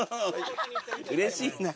うれしいな。